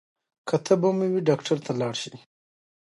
که تبه مو وي ډاکټر ته لاړ شئ.